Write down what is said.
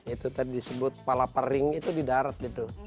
itu tadi disebut palaparing itu di darat gitu